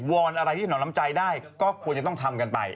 อนอะไรที่หนอนน้ำใจได้ก็ควรจะต้องทำกันไป